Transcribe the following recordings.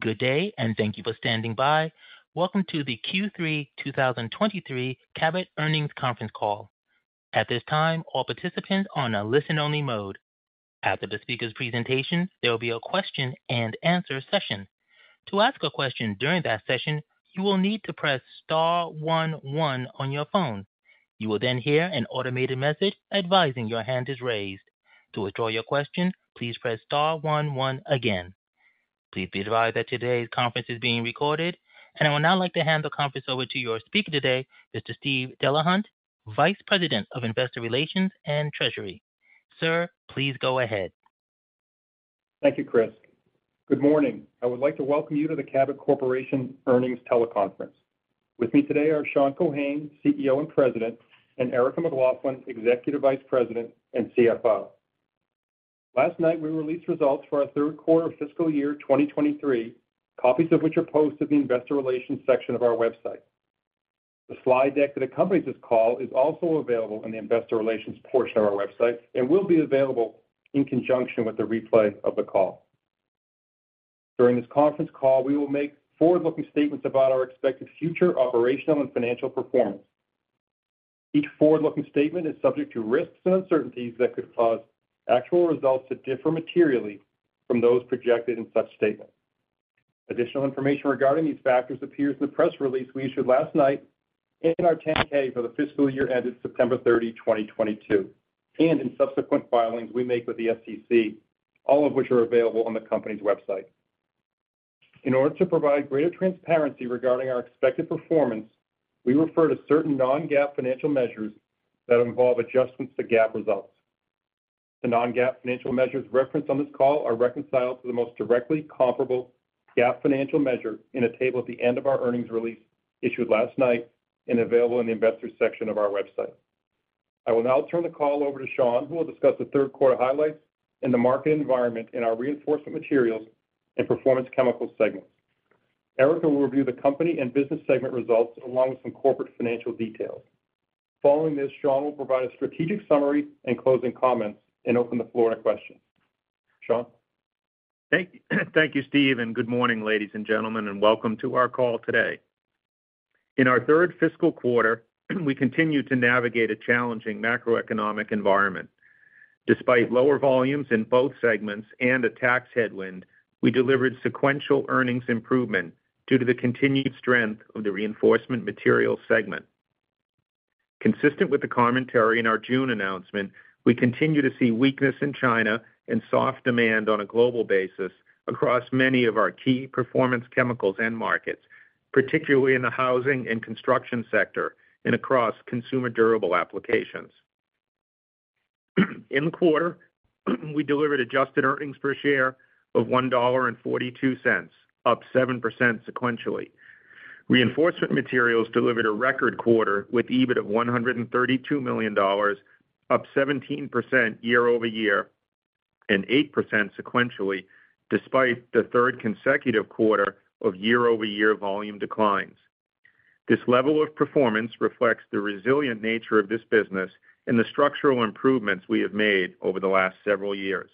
Good day, and thank you for standing by. Welcome to the Q3 2023 Cabot Earnings Conference Call. At this time, all participants are on a listen-only mode. After the speaker's presentation, there will be a question-and-answer session. To ask a question during that session, you will need to press star one one on your phone. You will then hear an automated message advising your hand is raised. To withdraw your question, please press star one one again. Please be advised that today's conference is being recorded. I would now like to hand the conference over to your speaker today, Mr. Steve Delahunt, Vice President of Investor Relations and Treasury. Sir, please go ahead. Thank you, Chris. Good morning. I would like to welcome you to the Cabot Corporation Earnings Teleconference. With me today are Sean Keohane, CEO and President, and Erica McLaughlin, Executive Vice President and CFO. Last night, we released results for our Q3 of fiscal year 2023, copies of which are posted in the Investor Relations section of our website. The slide deck that accompanies this call is also available in the Investor Relations portion of our website and will be available in conjunction with the replay of the call. During this conference call, we will make forward-looking statements about our expected future operational and financial performance. Each forward-looking statement is subject to risks and uncertainties that could cause actual results to differ materially from those projected in such statements. Additional information regarding these factors appears in the press release we issued last night and in our 10-K for the fiscal year ended September 30, 2022, and in subsequent filings we make with the SEC, all of which are available on the company's website. In order to provide greater transparency regarding our expected performance, we refer to certain non-GAAP financial measures that involve adjustments to GAAP results. The non-GAAP financial measures referenced on this call are reconciled to the most directly comparable GAAP financial measure in a table at the end of our earnings release issued last night and available in the Investors section of our website. I will now turn the call over to Sean, who will discuss the Q3 highlights and the market environment in our Reinforcement Materials and Performance Chemicals segments. Erica will review the company and business segment results, along with some corporate financial details. Following this, Sean will provide a strategic summary and closing comments and open the floor to questions. Sean? Thank you. Thank you, Steve, and good morning, ladies and gentlemen, and welcome to our call today. In our 3rd fiscal quarter, we continued to navigate a challenging macroeconomic environment. Despite lower volumes in both segments and a tax headwind, we delivered sequential earnings improvement due to the continued strength of the Reinforcement Materials segment. Consistent with the commentary in our June announcement, we continue to see weakness in China and soft demand on a global basis across many of our key Performance Chemicals end markets, particularly in the housing and construction sector and across consumer durable applications. In the quarter, we delivered adjusted earnings per share of $1.42, up 7% sequentially. Reinforcement Materials delivered a record quarter with EBIT of $132 million, up 17% year-over-year and 8% sequentially, despite the third consecutive quarter of year-over-year volume declines. This level of performance reflects the resilient nature of this business and the structural improvements we have made over the last several years.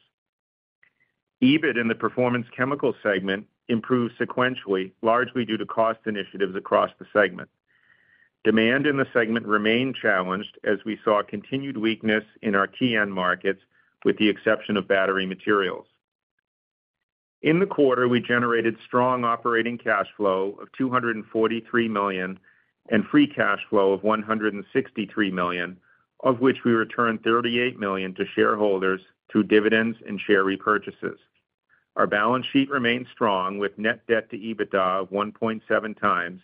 EBIT in the Performance Chemicals segment improved sequentially, largely due to cost initiatives across the segment. Demand in the segment remained challenged as we saw continued weakness in our key end markets, with the exception of battery materials. In the quarter, we generated strong operating cash flow of $243 million and free cash flow of $163 million, of which we returned $38 million to shareholders through dividends and share repurchases. Our balance sheet remains strong, with net debt to EBITDA of 1.7x.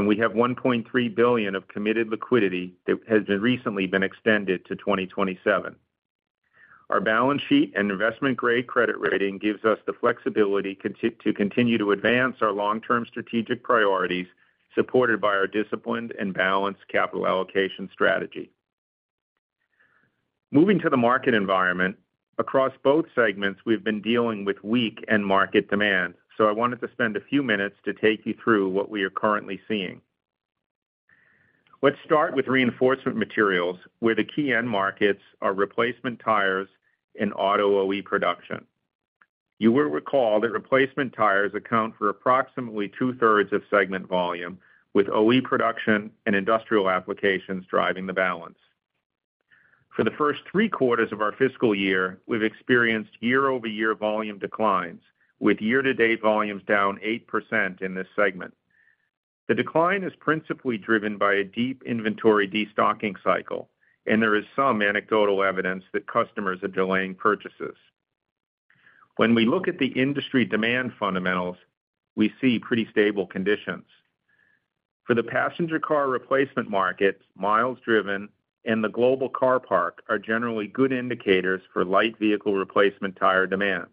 We have $1.3 billion of committed liquidity that has been recently been extended to 2027. Our balance sheet and investment-grade credit rating gives us the flexibility to continue to advance our long-term strategic priorities, supported by our disciplined and balanced capital allocation strategy. Moving to the market environment. Across both segments, we've been dealing with weak end market demand. I wanted to spend a few minutes to take you through what we are currently seeing. Let's start with Reinforcement Materials, where the key end markets are replacement tires and auto OE production. You will recall that replacement tires account for approximately two-thirds of segment volume, with OE production and industrial applications driving the balance. For the first three quarters of our fiscal year, we've experienced year-over-year volume declines, with year-to-date volumes down 8% in this segment. The decline is principally driven by a deep inventory destocking cycle, and there is some anecdotal evidence that customers are delaying purchases. When we look at the industry demand fundamentals, we see pretty stable conditions. For the passenger car replacement market, miles driven and the global car park are generally good indicators for light vehicle replacement tire demand.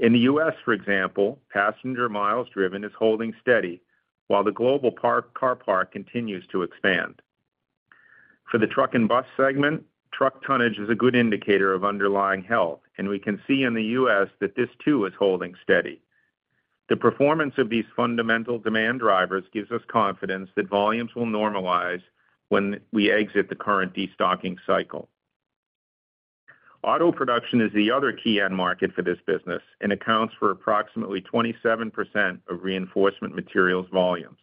In the U.S., for example, passenger miles driven is holding steady, while the global car park continues to expand. For the truck and bus segment, truck tonnage is a good indicator of underlying health, and we can see in the U.S. that this too is holding steady. The performance of these fundamental demand drivers gives us confidence that volumes will normalize when we exit the current destocking cycle. Auto production is the other key end market for this business and accounts for approximately 27% of reinforcement materials volumes.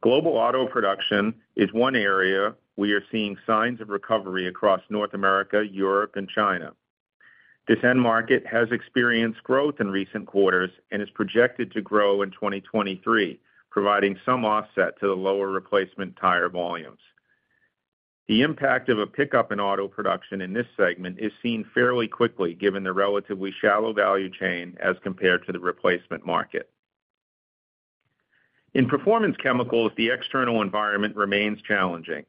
Global auto production is one area we are seeing signs of recovery across North America, Europe, and China. This end market has experienced growth in recent quarters and is projected to grow in 2023, providing some offset to the lower replacement tire volumes. The impact of a pickup in auto production in this segment is seen fairly quickly, given the relatively shallow value chain as compared to the replacement market. In Performance Chemicals, the external environment remains challenging.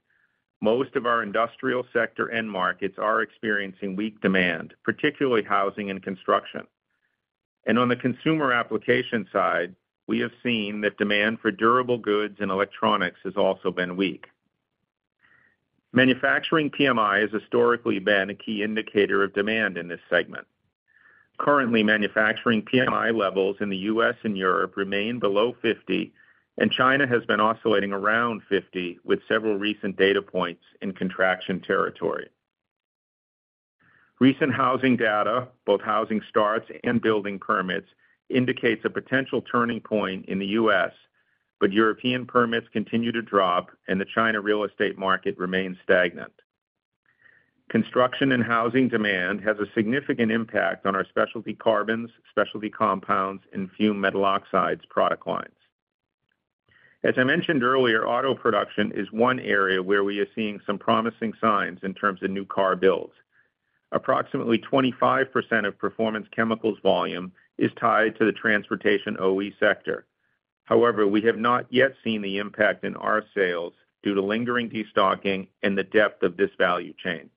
Most of our industrial sector end markets are experiencing weak demand, particularly housing and construction. On the consumer application side, we have seen that demand for durable goods and electronics has also been weak. Manufacturing PMI has historically been a key indicator of demand in this segment. Currently, manufacturing PMI levels in the US and Europe remain below 50. China has been oscillating around 50, with several recent data points in contraction territory. Recent housing data, both housing starts and building permits, indicates a potential turning point in the US. European permits continue to drop and the China real estate market remains stagnant. Construction and housing demand has a significant impact on our specialty carbons, specialty compounds, and fumed metal oxides product lines. As I mentioned earlier, auto production is one area where we are seeing some promising signs in terms of new car builds. Approximately 25% of Performance Chemicals volume is tied to the transportation OE sector. We have not yet seen the impact in our sales due to lingering destocking and the depth of this value chain.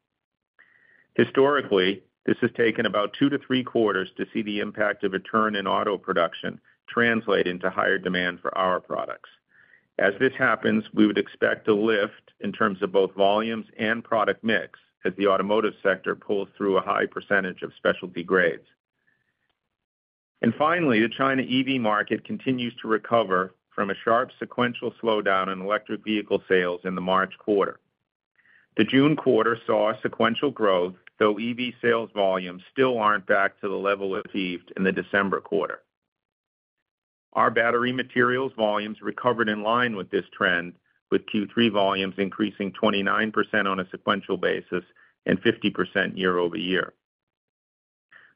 Historically, this has taken about two to three quarters to see the impact of a turn in auto production translate into higher demand for our products. As this happens, we would expect a lift in terms of both volumes and product mix, as the automotive sector pulls through a high % of specialty grades. Finally, the China EV market continues to recover from a sharp sequential slowdown in electric vehicle sales in the March quarter. The June quarter saw a sequential growth, though EV sales volumes still aren't back to the level achieved in the December quarter. Our battery materials volumes recovered in line with this trend, with Q3 volumes increasing 29% on a sequential basis and 50% year-over-year.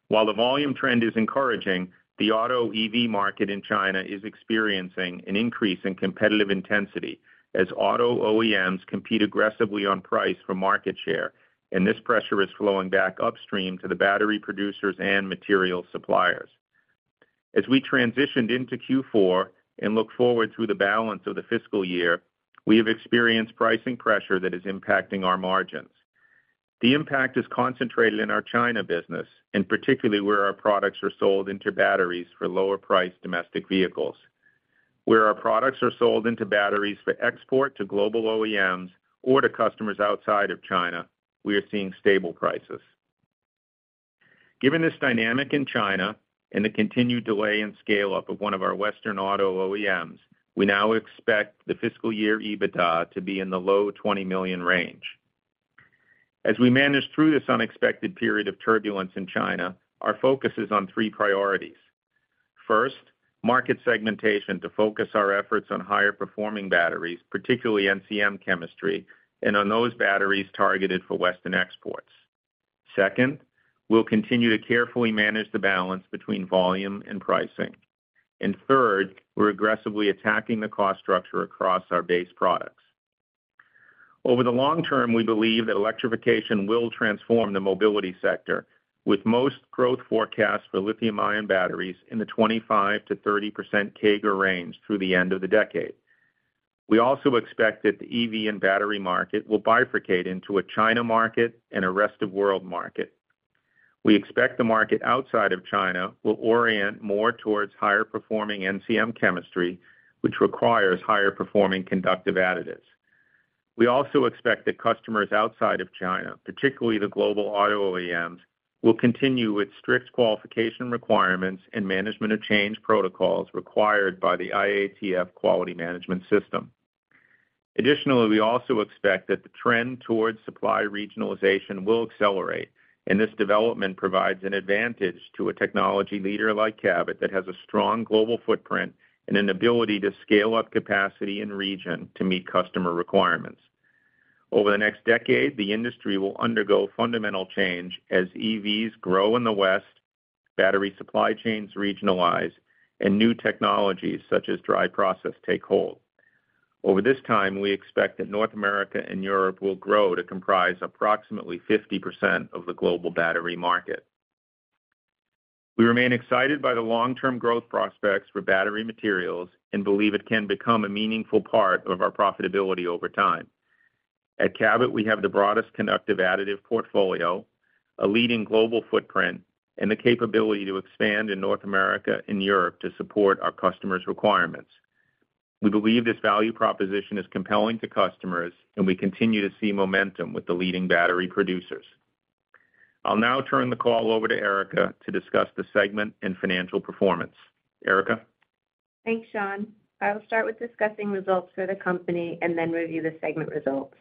While the volume trend is encouraging, the auto EV market in China is experiencing an increase in competitive intensity as auto OEMs compete aggressively on price for market share, and this pressure is flowing back upstream to the battery producers and material suppliers. As we transitioned into Q4 and look forward through the balance of the fiscal year, we have experienced pricing pressure that is impacting our margins. The impact is concentrated in our China business, and particularly where our products are sold into batteries for lower-priced domestic vehicles. Where our products are sold into batteries for export to global OEMs or to customers outside of China, we are seeing stable prices. Given this dynamic in China and the continued delay in scale-up of one of our Western auto OEMs, we now expect the fiscal year EBITDA to be in the low $20 million range. As we manage through this unexpected period of turbulence in China, our focus is on three priorities. First, market segmentation to focus our efforts on higher-performing batteries, particularly NCM chemistry, and on those batteries targeted for Western exports. Second, we'll continue to carefully manage the balance between volume and pricing. Third, we're aggressively attacking the cost structure across our base products. Over the long term, we believe that electrification will transform the mobility sector, with most growth forecasts for lithium-ion batteries in the 25%-30% CAGR range through the end of the decade. We also expect that the EV and battery market will bifurcate into a China market and a rest-of-world market. We expect the market outside of China will orient more towards higher-performing NCM chemistry, which requires higher-performing conductive additives. We also expect that customers outside of China, particularly the global auto OEMs, will continue with strict qualification requirements and management of change protocols required by the IATF quality management system. We also expect that the trend towards supply regionalization will accelerate, and this development provides an advantage to a technology leader like Cabot that has a strong global footprint and an ability to scale up capacity in region to meet customer requirements. Over the next decade, the industry will undergo fundamental change as EVs grow in the West, battery supply chains regionalize, and new technologies, such as dry process, take hold. Over this time, we expect that North America and Europe will grow to comprise approximately 50% of the global battery market. We remain excited by the long-term growth prospects for battery materials and believe it can become a meaningful part of our profitability over time. At Cabot, we have the broadest conductive additive portfolio, a leading global footprint, and the capability to expand in North America and Europe to support our customers' requirements. We believe this value proposition is compelling to customers. We continue to see momentum with the leading battery producers. I'll now turn the call over to Erica to discuss the segment and financial performance. Erica? Thanks, Sean. I will start with discussing results for the company and then review the segment results.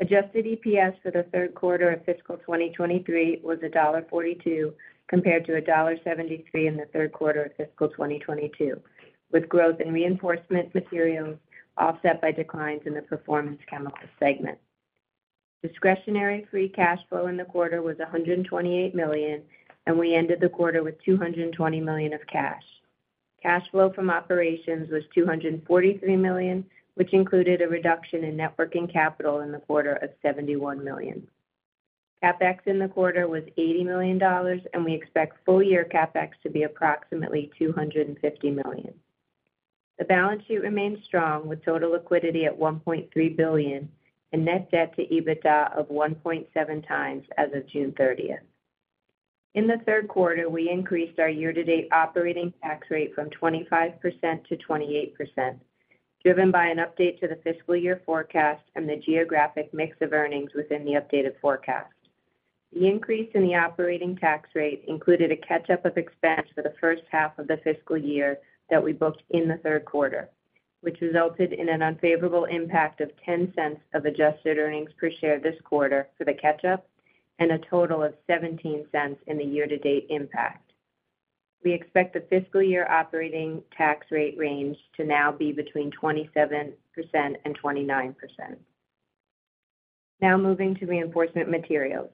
Adjusted EPS for the Q3 of fiscal 2023 was $1.42, compared to $1.73 in the Q3 of fiscal 2022, with growth in reinforcement materials offset by declines in the performance chemicals segment. Discretionary free cash flow in the quarter was $128 million, and we ended the quarter with $220 million of cash. Cash flow from operations was $243 million, which included a reduction in net working capital in the quarter of $71 million. CapEx in the quarter was $80 million, and we expect full year CapEx to be approximately $250 million. The balance sheet remains strong, with total liquidity at $1.3 billion and net debt to EBITDA of 1.7x as of June 30th. In the Q3, we increased our year-to-date operating tax rate from 25% to 28%, driven by an update to the fiscal year forecast and the geographic mix of earnings within the updated forecast. The increase in the operating tax rate included a catch-up of expense for the H1 of the fiscal year that we booked in the Q3, which resulted in an unfavorable impact of $0.10 of adjusted earnings per share this quarter for the catch-up and a total of $0.17 in the year-to-date impact. We expect the fiscal year operating tax rate range to now be between 27% and 29%. Now moving to reinforcement materials.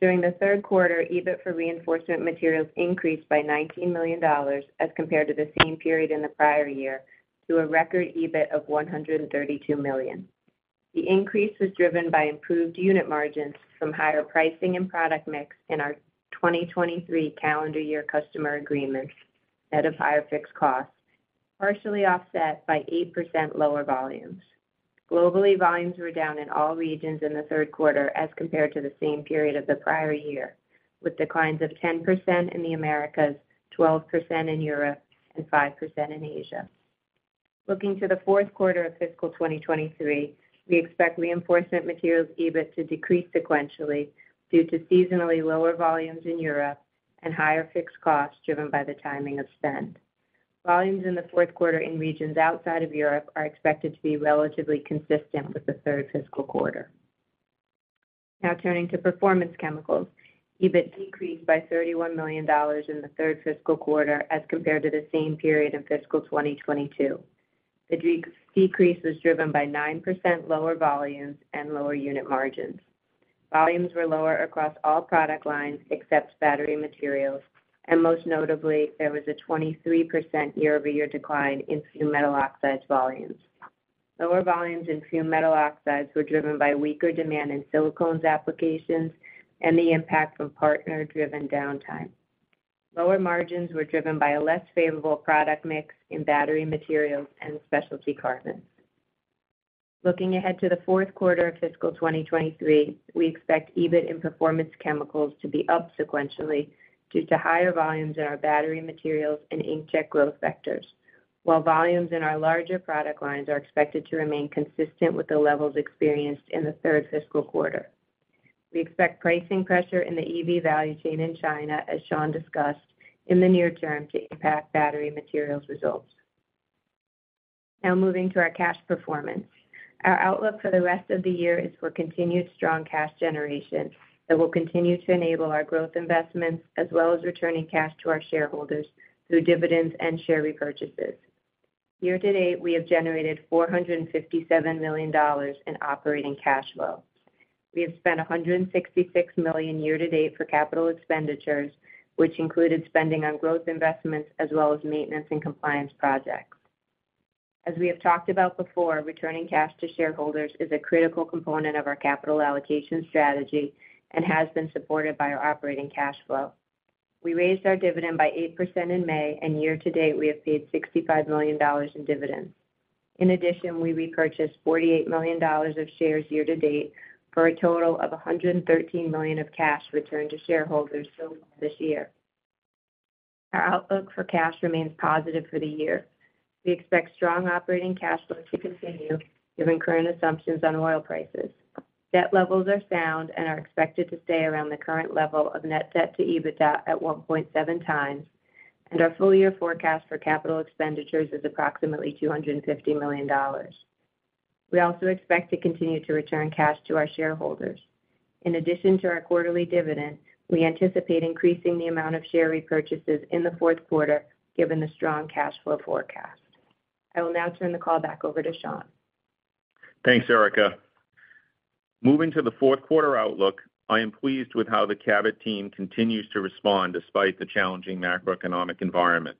During the Q3, EBIT for reinforcement materials increased by $19 million as compared to the same period in the prior year, to a record EBIT of $132 million. The increase was driven by improved unit margins from higher pricing and product mix in our 2023 calendar year customer agreements at a higher fixed cost, partially offset by 8% lower volumes. Globally, volumes were down in all regions in the Q3 as compared to the same period of the prior year, with declines of 10% in the Americas, 12% in Europe, and 5% in Asia. Looking to the Q4 of fiscal 2023, we expect reinforcement materials EBIT to decrease sequentially due to seasonally lower volumes in Europe and higher fixed costs driven by the timing of spend. Volumes in the Q4 in regions outside of Europe are expected to be relatively consistent with the third fiscal quarter. Now turning to performance chemicals. EBIT decreased by $31 million in the third fiscal quarter as compared to the same period in fiscal 2022. The decrease was driven by 9% lower volumes and lower unit margins. Volumes were lower across all product lines except battery materials, and most notably, there was a 23% year-over-year decline in few metal oxides volumes. Lower volumes in few metal oxides were driven by weaker demand in silicones applications and the impact from partner-driven downtime. Lower margins were driven by a less favorable product mix in battery materials and specialty carbons. Looking ahead to the Q4 of fiscal 2023, we expect EBIT in performance chemicals to be up sequentially due to higher volumes in our battery materials and inkjet growth vectors, while volumes in our larger product lines are expected to remain consistent with the levels experienced in the third fiscal quarter. We expect pricing pressure in the EV value chain in China, as Sean discussed, in the near term to impact battery materials results. Now moving to our cash performance. Our outlook for the rest of the year is for continued strong cash generation that will continue to enable our growth investments, as well as returning cash to our shareholders through dividends and share repurchases. Year to date, we have generated $457 million in operating cash flow. We have spent $166 million year-to-date for capital expenditures, which included spending on growth investments as well as maintenance and compliance projects. As we have talked about before, returning cash to shareholders is a critical component of our capital allocation strategy and has been supported by our operating cash flow. We raised our dividend by 8% in May, and year-to-date, we have paid $65 million in dividends. In addition, we repurchased $48 million of shares year-to-date, for a total of $113 million of cash returned to shareholders so far this year. Our outlook for cash remains positive for the year. We expect strong operating cash flow to continue, given current assumptions on oil prices. Debt levels are sound and are expected to stay around the current level of net debt to EBITDA at 1.7x, and our full year forecast for capital expenditures is approximately $250 million. We also expect to continue to return cash to our shareholders. In addition to our quarterly dividend, we anticipate increasing the amount of share repurchases in the Q4, given the strong cash flow forecast. I will now turn the call back over to Sean. Thanks, Erica. Moving to the Q4 outlook, I am pleased with how the Cabot team continues to respond despite the challenging macroeconomic environment.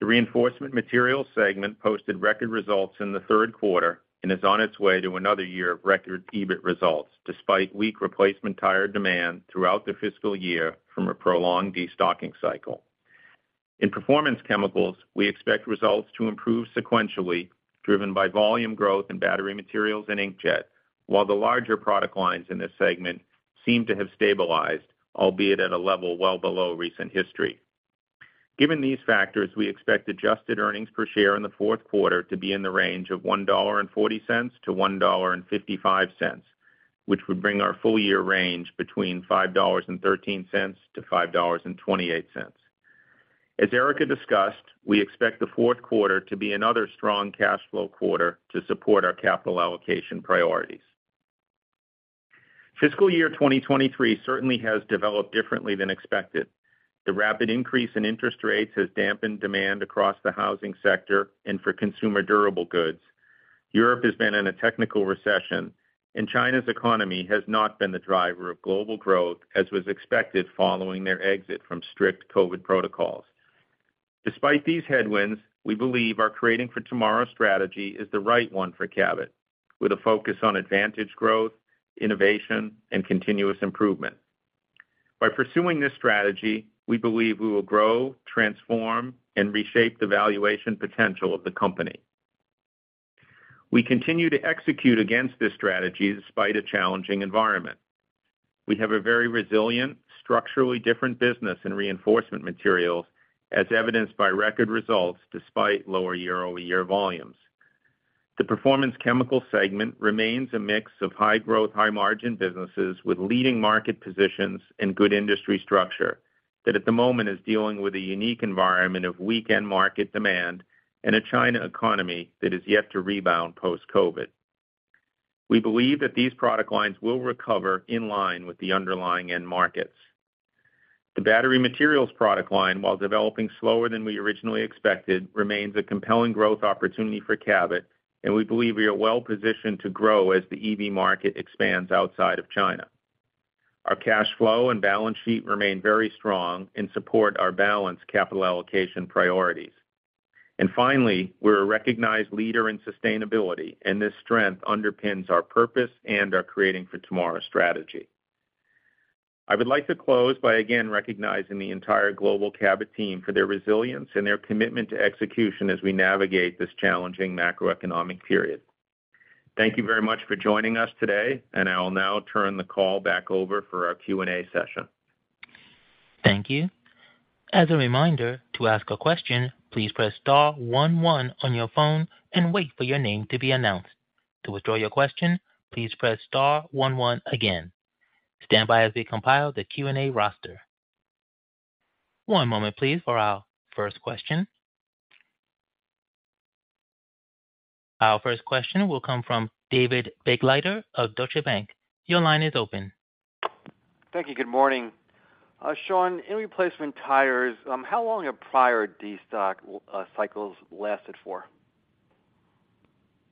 The reinforcement materials segment posted record results in the Q3 and is on its way to another year of record EBIT results, despite weak replacement tire demand throughout the fiscal year from a prolonged destocking cycle. In performance chemicals, we expect results to improve sequentially, driven by volume growth in battery materials and inkjet, while the larger product lines in this segment seem to have stabilized, albeit at a level well below recent history. Given these factors, we expect adjusted earnings per share in the Q4 to be in the range of $1.40-$1.55 which would bring our full year range between $5.13 to $5.28. As Erica discussed, we expect the Q4 to be another strong cash flow quarter to support our capital allocation priorities. Fiscal year 2023 certainly has developed differently than expected. The rapid increase in interest rates has dampened demand across the housing sector and for consumer durable goods. Europe has been in a technical recession. China's economy has not been the driver of global growth as was expected following their exit from strict COVID protocols. Despite these headwinds, we believe our Creating for Tomorrow strategy is the right one for Cabot, with a focus on advantage growth, innovation, and continuous improvement. By pursuing this strategy, we believe we will grow, transform, and reshape the valuation potential of the company. We continue to execute against this strategy despite a challenging environment. We have a very resilient, structurally different business in reinforcement materials, as evidenced by record results despite lower year-over-year volumes. The Performance Chemicals segment remains a mix of high growth, high margin businesses with leading market positions and good industry structure, that at the moment is dealing with a unique environment of weakened market demand and a China economy that is yet to rebound post-COVID. We believe that these product lines will recover in line with the underlying end markets. The battery materials product line, while developing slower than we originally expected, remains a compelling growth opportunity for Cabot, and we believe we are well positioned to grow as the EV market expands outside of China. Our cash flow and balance sheet remain very strong and support our balanced capital allocation priorities. Finally, we're a recognized leader in sustainability, and this strength underpins our purpose and our Creating for Tomorrow strategy. I would like to close by again recognizing the entire global Cabot team for their resilience and their commitment to execution as we navigate this challenging macroeconomic period. Thank you very much for joining us today. I will now turn the call back over for our Q&A session. Thank you. As a reminder, to ask a question, please press star one one on your phone and wait for your name to be announced. To withdraw your question, please press star one one again. Stand by as we compile the Q&A roster. One moment, please, for our first question. Our first question will come from David Begleiter of Deutsche Bank. Your line is open. Thank you. Good morning. Sean, in replacement tires, how long have prior destock cycles lasted for?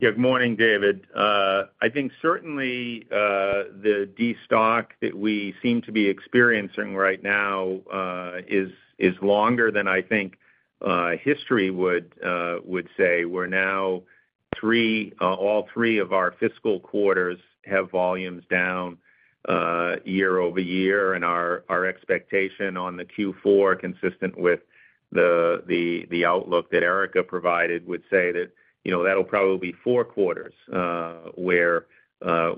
Good morning, David. I think certainly, the destock that we seem to be experiencing right now, is longer than I think history would say. We're now all 3 of our fiscal quarters have volumes down, year-over-year, and our, our expectation on the Q4, consistent with the outlook that Erica provided, would say that, you know, that'll probably be 4 quarters, where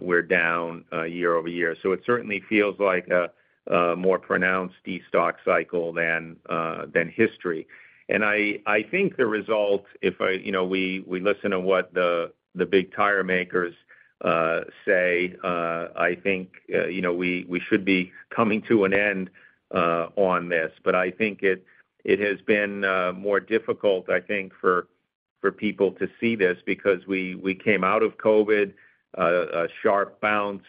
we're down, year-over-year. It certainly feels like a more pronounced destock cycle than history. I think the result, if you know, we listen to what the big tire makers say, I think, you know, we should be coming to an end on this. I think it, it has been more difficult, I think, for, for people to see this because we, we came out of COVID, a sharp bounce,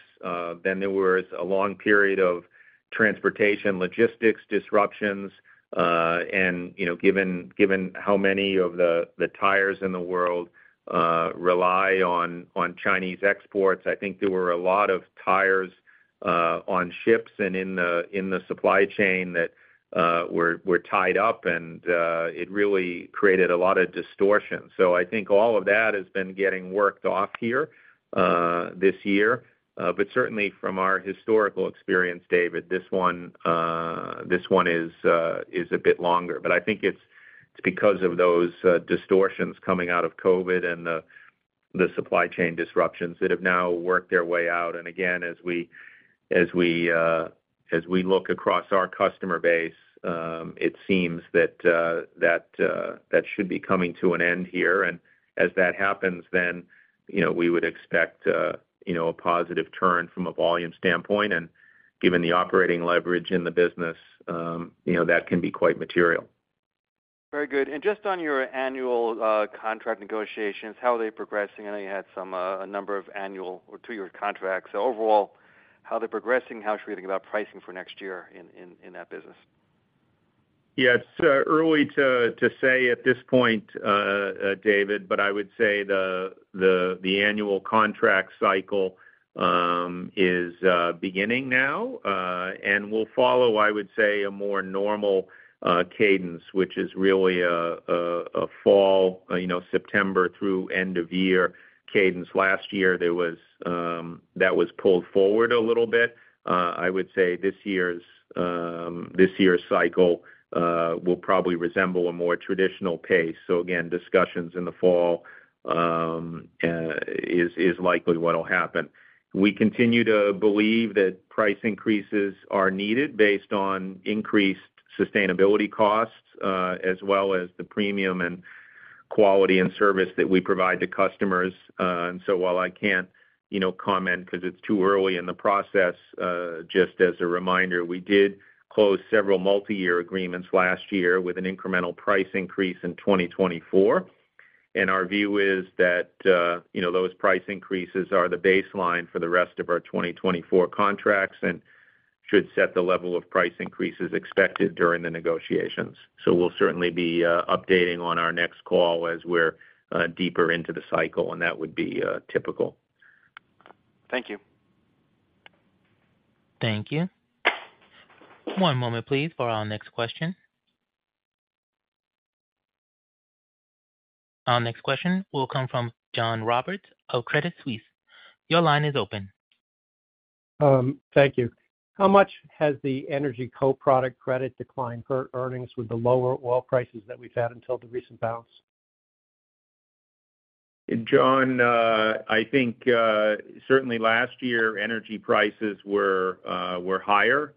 then there was a long period of transportation, logistics, disruptions. And, you know, given, given how many of the, the tires in the world rely on, on Chinese exports, I think there were a lot of tires on ships and in the, in the supply chain that were tied up, and it really created a lot of distortion. I think all of that has been getting worked off here this year. Certainly from our historical experience, David, this one, this one is a bit longer. I think it's because of those distortions coming out of COVID and the, the supply chain disruptions that have now worked their way out. Again, as we, as we, as we look across our customer base, it seems that, that, that should be coming to an end here. As that happens, then, you know, we would expect, you know, a positive turn from a volume standpoint. Given the operating leverage in the business, you know, that can be quite material. Very good. Just on your annual contract negotiations, how are they progressing? I know you had some a number of annual or two-year contracts. Overall, how are they progressing? How are you feeling about pricing for next year in, in, in that business? Yeah, it's early to say at this point, David, but I would say the, the, the annual contract cycle is beginning now and will follow, I would say, a more normal cadence, which is really a, a, a fall, you know, September through end of year cadence. Last year, there was that was pulled forward a little bit. I would say this year's this year's cycle will probably resemble a more traditional pace. Again, discussions in the fall is likely what'll happen. We continue to believe that price increases are needed based on increased sustainability costs, as well as the premium and quality and service that we provide to customers. So while I can't, you know, comment, 'cause it's too early in the process, just as a reminder, we did close several multiyear agreements last year with an incremental price increase in 2024. Our view is that, you know, those price increases are the baseline for the rest of our 2024 contracts and should set the level of price increases expected during the negotiations. We'll certainly be updating on our next call as we're deeper into the cycle, and that would be typical. Thank you. Thank you. One moment, please, for our next question. Our next question will come from John Roberts of Credit Suisse. Your line is open. Thank you. How much has the energy co-product credit declined for earnings with the lower oil prices that we've had until the recent bounce? John, I think, certainly last year, energy prices were higher,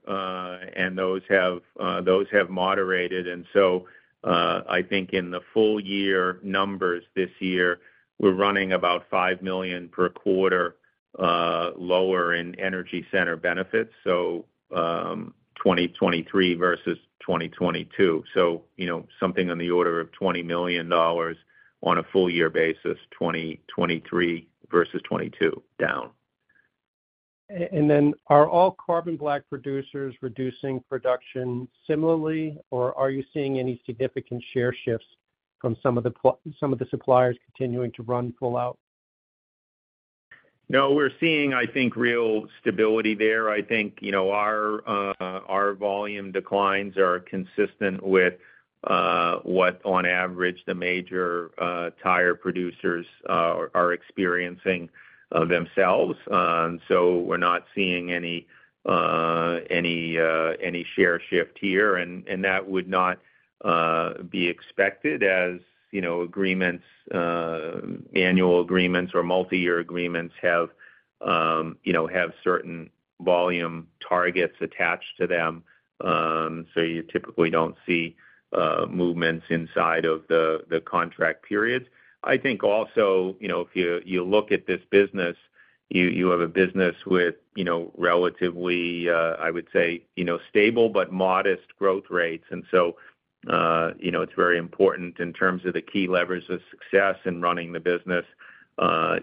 and those have moderated. I think in the full year numbers this year, we're running about $5 million per quarter lower in energy center benefits, so, 2023 versus 2022. You know, something on the order of $20 million on a full year basis, 2023 versus 2022, down. Then, are all carbon black producers reducing production similarly, or are you seeing any significant share shifts from some of the suppliers continuing to run full out? No, we're seeing, I think, real stability there. I think, you know, our volume declines are consistent with what on average, the major tire producers are experiencing themselves. So we're not seeing any any any share shift here, and that would not be expected, as, you know, agreements, annual agreements or multiyear agreements have, you know, have certain volume targets attached to them. You typically don't see movements inside of the the contract periods. I think also, you know, if you look at this business, you, you have a business with, you know, relatively, I would say, you know, stable but modest growth rates. So, you know, it's very important in terms of the key levers of success in running the business.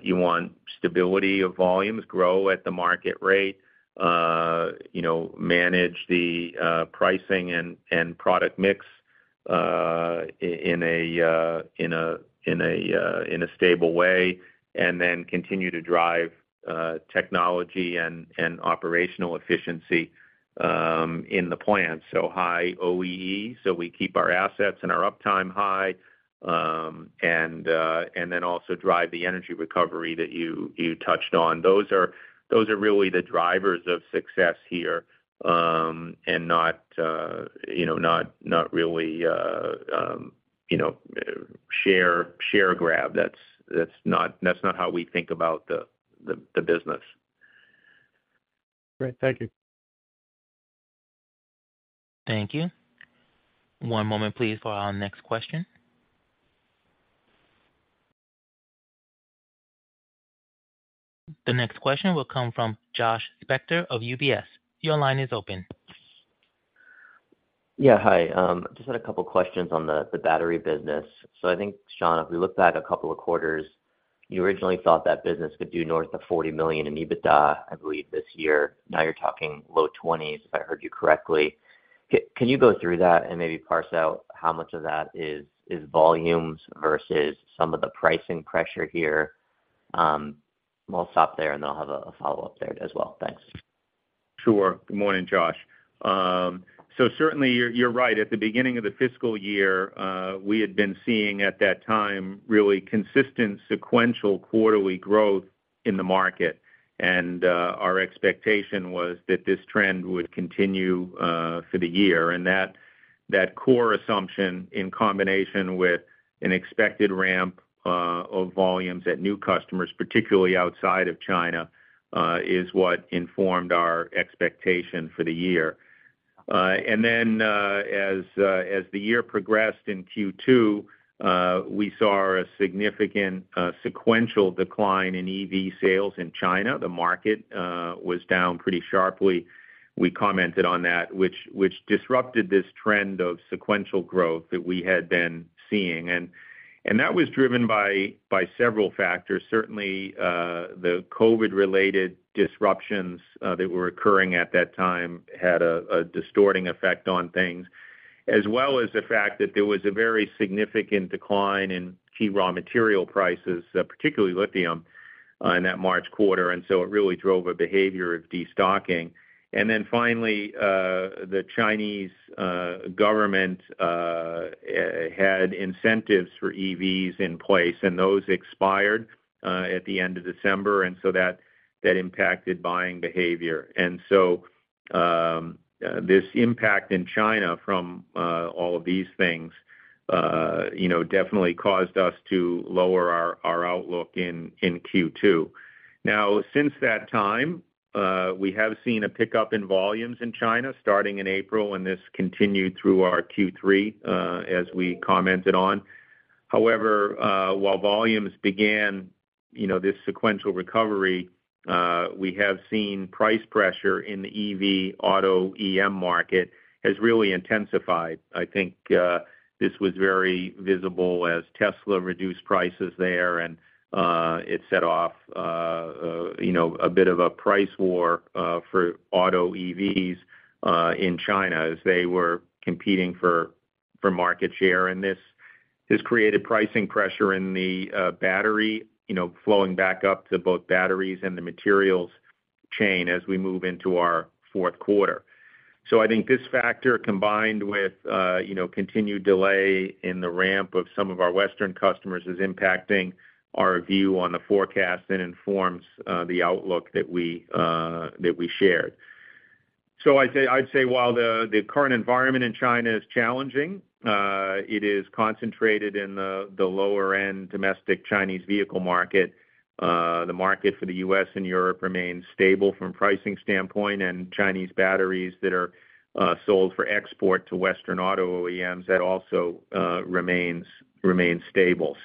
You want stability of volumes, grow at the market rate, you know, manage the pricing and product mix in a stable way, and then continue to drive technology and operational efficiency in the plant. High OEE, so we keep our assets and our uptime high, and then also drive the energy recovery that you, you touched on. Those are, those are really the drivers of success here, and not, you know, not really, you know, share, share grab. That's not, how we think about the business. Great. Thank you. Thank you. One moment, please, for our next question. The next question will come from Josh Spector of UBS. Your line is open. Yeah. Hi, just had a couple questions on the, the battery business. I think, Sean, if we look back a couple of quarters, you originally thought that business could do north of $40 million in EBITDA, I believe, this year. Now you're talking low 20s, if I heard you correctly. Can you go through that and maybe parse out how much of that is, is volumes versus some of the pricing pressure here? We'll stop there, and I'll have a, a follow-up there as well. Thanks. Sure. Good morning, Josh. Certainly, you're, you're right. At the beginning of the fiscal year, we had been seeing at that time, really consistent sequential quarterly growth in the market. Our expectation was that this trend would continue for the year. That, that core assumption, in combination with an expected ramp of volumes at new customers, particularly outside of China, is what informed our expectation for the year. Then, as the year progressed in Q2, we saw a significant sequential decline in EV sales in China. The market was down pretty sharply. We commented on that, which, which disrupted this trend of sequential growth that we had been seeing. That was driven by, by several factors. Certainly, the COVID-related disruptions that were occurring at that time had a distorting effect on things, as well as the fact that there was a very significant decline in key raw material prices, particularly lithium, in that March quarter, and so it really drove a behavior of destocking. Finally, the Chinese government had incentives for EVs in place, and those expired at the end of December, and so that impacted buying behavior. This impact in China from all of these things, you know, definitely caused us to lower our outlook in Q2. Now, since that time, we have seen a pickup in volumes in China, starting in April, and this continued through our Q3 as we commented on. However, while volumes began-... You know, this sequential recovery, we have seen price pressure in the EV auto OEM market has really intensified. I think, this was very visible as Tesla reduced prices there, and it set off, you know, a bit of a price war, for auto EVs, in China as they were competing for, for market share. This, this created pricing pressure in the battery, you know, flowing back up to both batteries and the materials chain as we move into our Q4. I think this factor, combined with, you know, continued delay in the ramp of some of our Western customers, is impacting our view on the forecast and informs, the outlook that we, that we shared. I'd say, I'd say while the current environment in China is challenging, it is concentrated in the lower-end domestic Chinese vehicle market. The market for the U.S. and Europe remains stable from pricing standpoint, and Chinese batteries that are sold for export to Western auto OEMs, that also remains, remains stable.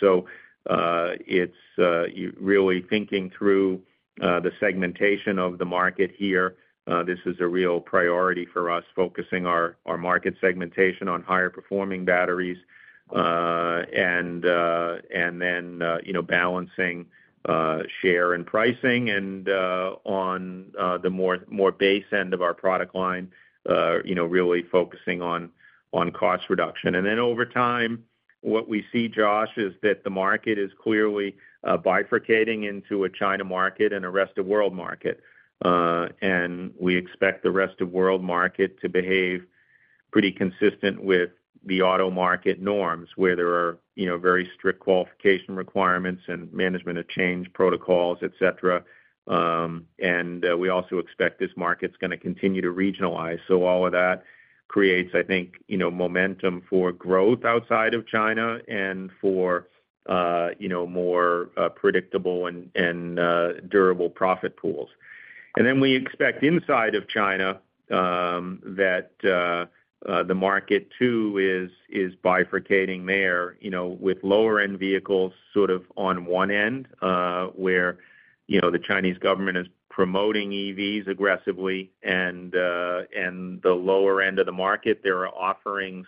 It's, you really thinking through the segmentation of the market here. This is a real priority for us, focusing our market segmentation on higher-performing batteries. Then, you know, balancing share and pricing and on the more, more base end of our product line, you know, really focusing on cost reduction. Then over time, what we see, Josh, is that the market is clearly bifurcating into a China market and a rest of world market. We expect the rest of world market to behave pretty consistent with the auto market norms, where there are, you know, very strict qualification requirements and management of change protocols, et cetera. We also expect this market's gonna continue to regionalize. All of that creates, I think, you know, momentum for growth outside of China and for, you know, more predictable and durable profit pools. We expect inside of China, that the market too is, is bifurcating there, you know. With lower-end vehicles sort of on one end, where, you know, the Chinese government is promoting EVs aggressively, and the lower end of the market, there are offerings,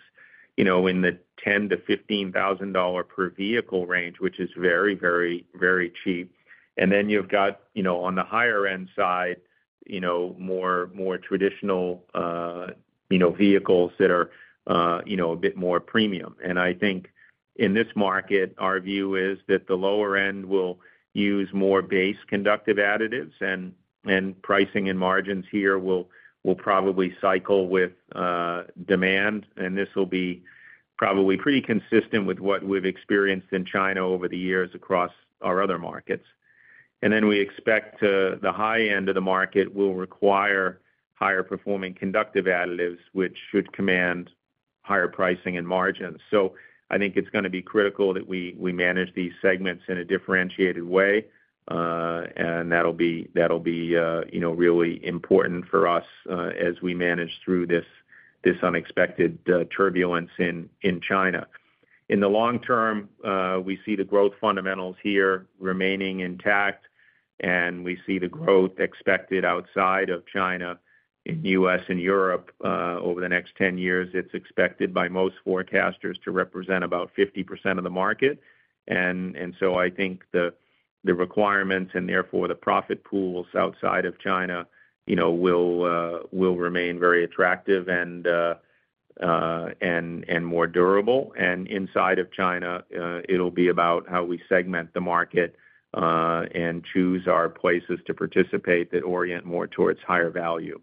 you know, in the $10,000-$15,000 per vehicle range, which is very, very, very cheap. Then you've got, you know, on the higher-end side, you know, more, more traditional, you know, vehicles that are, you know, a bit more premium. I think in this market, our view is that the lower end will use more base conductive additives, and pricing and margins here will, will probably cycle with demand. This will be probably pretty consistent with what we've experienced in China over the years across our other markets. Then we expect the high end of the market will require higher performing conductive additives, which should command higher pricing and margins. I think it's gonna be critical that we, we manage these segments in a differentiated way. And that'll be, that'll be, you know, really important for us, as we manage through this, this unexpected turbulence in China. In the long term, we see the growth fundamentals here remaining intact, and we see the growth expected outside of China, in U.S. and Europe. Over the next 10 years, it's expected by most forecasters to represent about 50% of the market. I think the requirements and therefore, the profit pools outside of China, you know, will remain very attractive and more durable. Inside of China, it'll be about how we segment the market and choose our places to participate that orient more towards higher value.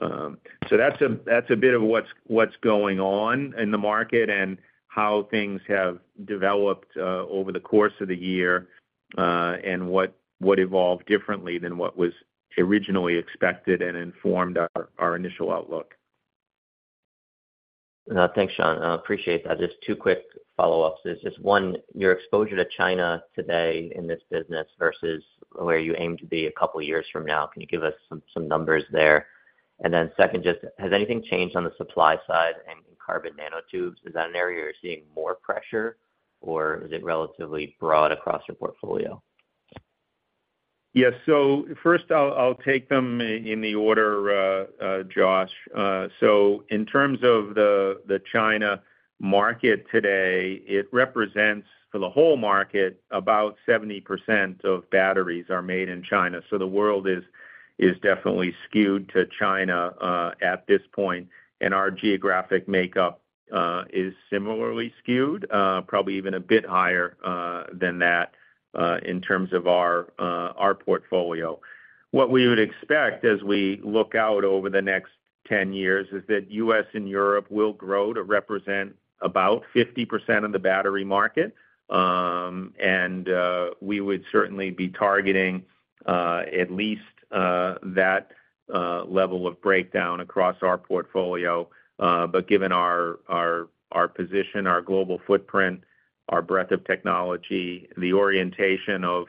That's a bit of what's, what's going on in the market and how things have developed over the course of the year, and what, what evolved differently than what was originally expected and informed our, our initial outlook. Thanks, Sean. I appreciate that. Just two quick follow-ups. Just one, your exposure to China today in this business versus where you aim to be a couple of years from now, can you give us some, some numbers there? Second, just has anything changed on the supply side and carbon nanotubes, is that an area you're seeing more pressure, or is it relatively broad across your portfolio? Yes. first I'll take them in the order, Josh. In terms of the, the China market today, it represents, for the whole market, about 70% of batteries are made in China. The world is, is definitely skewed to China, at this point, and our geographic makeup, is similarly skewed, probably even a bit higher, than that, in terms of our, our portfolio. What we would expect as we look out over the next 10 years is that US and Europe will grow to represent about 50% of the battery market. We would certainly be targeting, at least, that, level of breakdown across our portfolio. Given our, our, our position, our global footprint, our breadth of technology, the orientation of...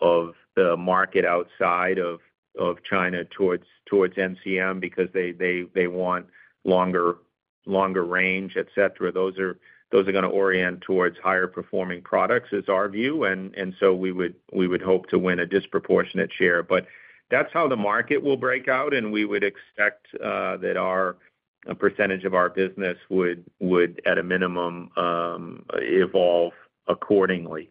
Of the market outside of, of China towards, towards NCM, because they, they, they want longer, longer range, et cetera. Those are, those are gonna orient towards higher performing products, is our view. So we would, we would hope to win a disproportionate share. That's how the market will break out, and we would expect, that our, a percentage of our business would, would, at a minimum, evolve accordingly.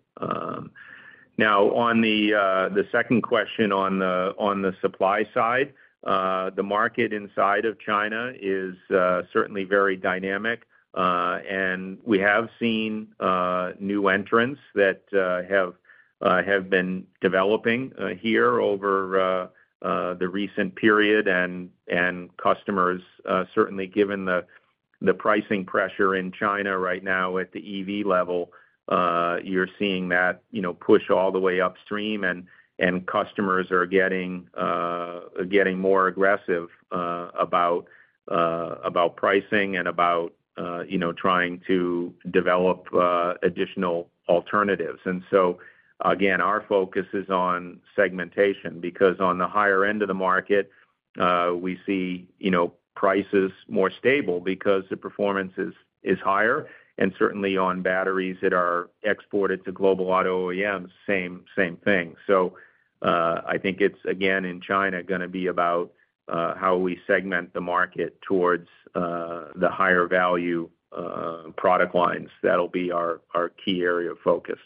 Now, on the, the second question on the, on the supply side, the market inside of China is, certainly very dynamic. We have seen, new entrants that, have, have been developing, here over, the recent period. Customers, certainly given the pricing pressure in China right now at the EV level, you're seeing that, you know, push all the way upstream, and customers are getting more aggressive about pricing and about, you know, trying to develop additional alternatives. So, again, our focus is on segmentation, because on the higher end of the market, we see, you know, prices more stable because the performance is, is higher, and certainly on batteries that are exported to global auto OEMs, same, same thing. I think it's, again, in China, gonna be about how we segment the market towards the higher value product lines. That'll be our, our key area of focus.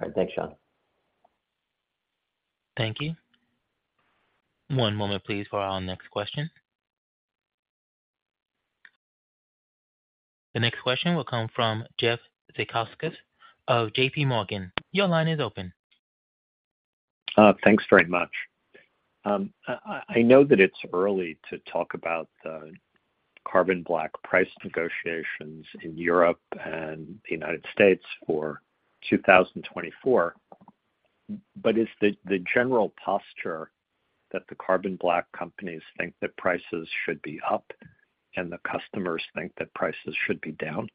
All right. Thanks, Sean. Thank you. One moment, please, for our next question. The next question will come from Jeff Zekauskas of JPMorgan. Your line is open. Thanks very much. I know that it's early to talk about the carbon black price negotiations in Europe and the United States for 2024, but is the general posture that the carbon black companies think that prices should be up, and the customers think that prices should be down?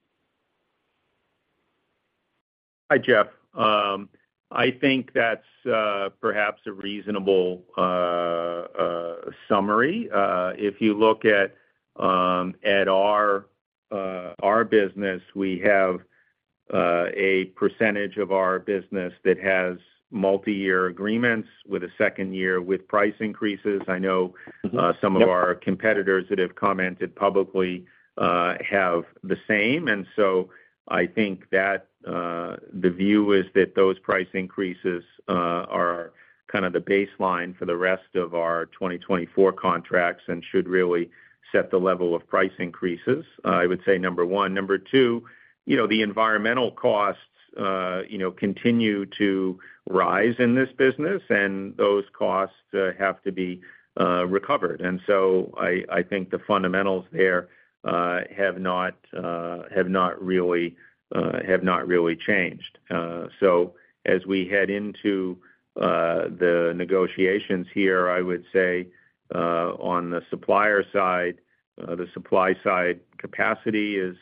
Hi, Jeff. I think that's perhaps a reasonable summary. If you look at our business, we have a percentage of our business that has multiyear agreements with a second year with price increases. Mm-hmm. Yep. I know, some of our competitors that have commented publicly, have the same. I think that, the view is that those price increases, are kind of the baseline for the rest of our 2024 contracts and should really set the level of price increases, I would say, number one. Number two, you know, the environmental costs, you know, continue to rise in this business, and those costs, have to be, recovered. I, I think the fundamentals there, have not, have not really, have not really changed. As we head into, the negotiations here, I would say, on the supplier side, the supply side capacity is,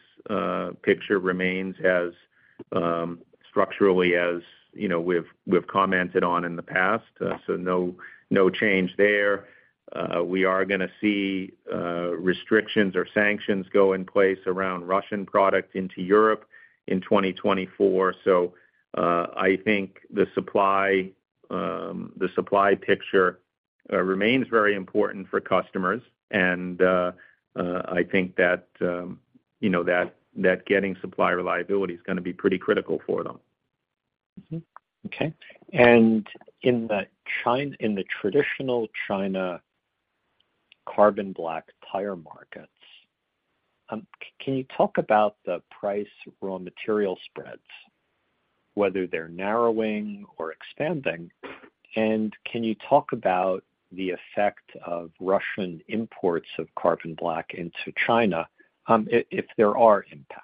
picture remains as, structurally, as, you know, we've, we've commented on in the past. Yeah. No, no change there. We are gonna see restrictions or sanctions go in place around Russian product into Europe in 2024. I think the supply, the supply picture, remains very important for customers, and I think that, you know, that, that getting supply reliability is gonna be pretty critical for them. Mm-hmm. Okay, in the traditional China carbon black tire markets, can you talk about the price raw material spreads, whether they're narrowing or expanding? Can you talk about the effect of Russian imports of carbon black into China, if there are impacts?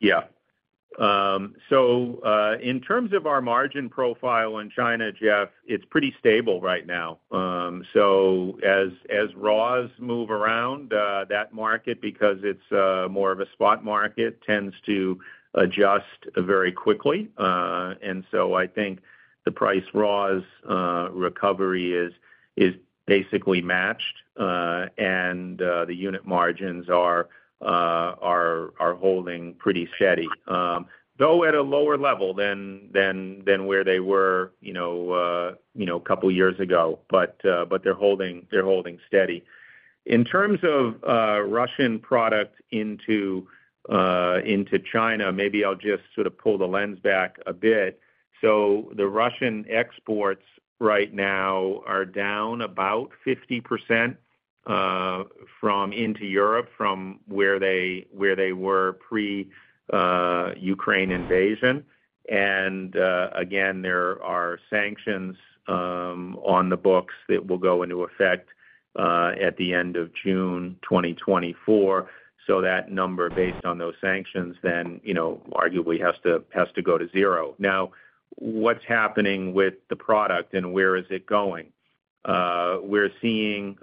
Yeah. In terms of our margin profile in China, Jeff, it's pretty stable right now. As, as raws move around, that market, because it's more of a spot market, tends to adjust very quickly. I think the price raws recovery is, is basically matched, and the unit margins are, are, are holding pretty steady. Though, at a lower level than, than, than where they were, you know, a couple years ago. They're holding, they're holding steady. In terms of Russian product into China, maybe I'll just sort of pull the lens back a bit. The Russian exports right now are down about 50%, from into Europe from where they, where they were pre Ukraine Invasion. Again, there are sanctions on the books that will go into effect at the end of June 2024. That number, based on those sanctions, then, you know, arguably has to, has to go to 0. What's happening with the product and where is it going? We're seeing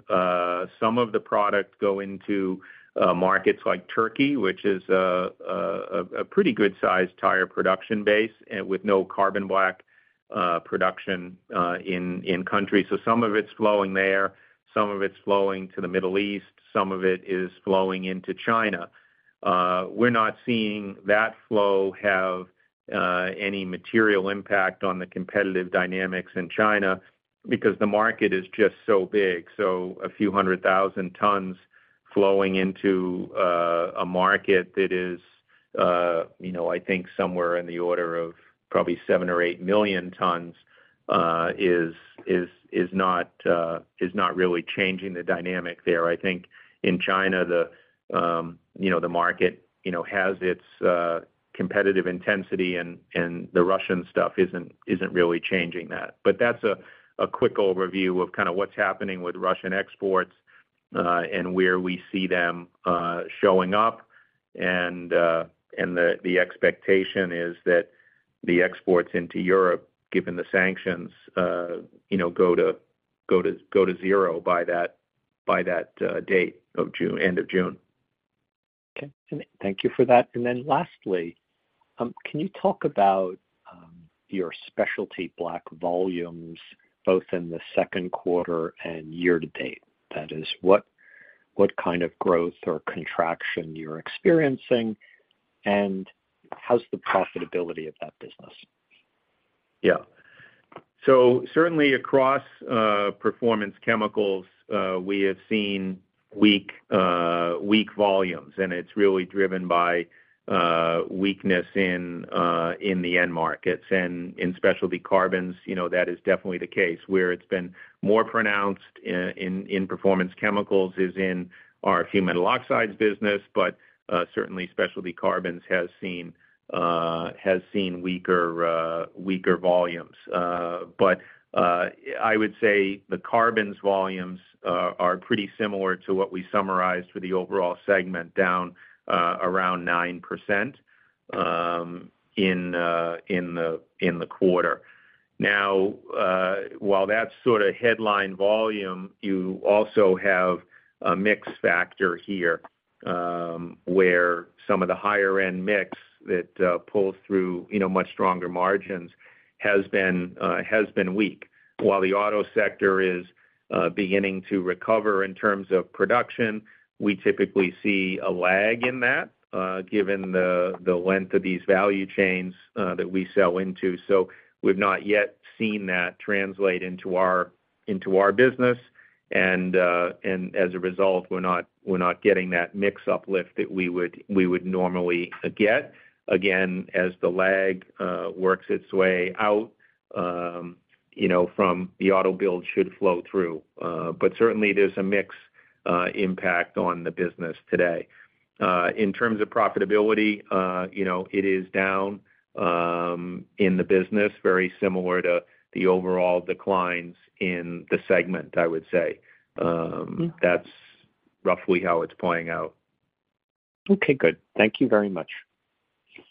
some of the product go into markets like Turkey, which is a pretty good size tire production base and with no carbon black production in country. Some of it's flowing there, some of it's flowing to the Middle East, some of it is flowing into China. We're not seeing that flow have any material impact on the competitive dynamics in China because the market is just so big. A few 100,000 tons flowing into a market that is, you know, I think somewhere in the order of probably 7 million-8 million tons, is, is, is not really changing the dynamic there. I think in China, the, you know, the market, you know, has its competitive intensity, and, and the Russian stuff isn't, isn't really changing that. That's a quick overview of kind of what's happening with Russian exports and where we see them showing up. The expectation is that the exports into Europe, given the sanctions, you know, go to zero by that, by that date of June, end of June. Okay, thank you for that. Lastly, can you talk about, your specialty black volumes, both in the second quarter and year to date? That is, what, what kind of growth or contraction you're experiencing, and how's the profitability of that business? Yeah. Certainly across performance chemicals, we have seen weak, weak volumes, and it's really driven by weakness in the end markets. In specialty carbons, you know, that is definitely the case. Where it's been more pronounced in performance chemicals is in our human oxides business, certainly specialty carbons has seen weaker volumes. I would say the carbons volumes are pretty similar to what we summarized for the overall segment, down around 9% in the quarter. Now, while that's sort of headline volume, you also have a mix factor here, where some of the higher end mix that pulls through, you know, much stronger margins has been weak, while the auto sector is beginning to recover in terms of production. We typically see a lag in that, given the length of these value chains that we sell into. We've not yet seen that translate into our, into our business, and as a result, we're not, we're not getting that mix uplift that we would, we would normally get. Again, as the lag works its way out, you know, from the auto build should flow through. Certainly, there's a mix impact on the business today. In terms of profitability, you know, it is down in the business, very similar to the overall declines in the segment, I would say. That's roughly how it's playing out. Okay, good. Thank you very much.